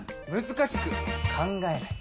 難しく考えない。